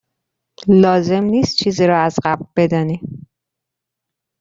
لازم نیست چیزی را از قبل بدانی.